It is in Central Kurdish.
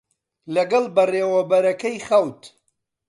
لەگەڵ بەڕێوەبەرەکەی خەوت.